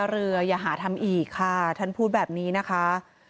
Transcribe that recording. เลขลางสียากน้อย